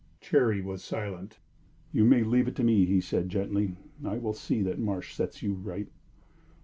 Cherry was silent. "You may leave it to me," he said, gently. "I will see that Marsh sets you right."